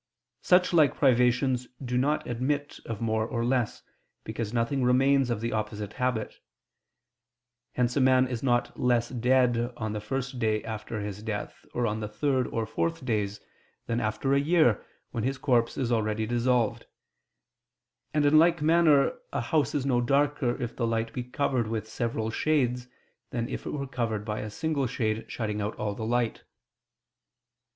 Such like privations do not admit of more or less, because nothing remains of the opposite habit; hence a man is not less dead on the first day after his death, or on the third or fourth days, than after a year, when his corpse is already dissolved; and, in like manner, a house is no darker if the light be covered with several shades, than if it were covered by a single shade shutting out all the light.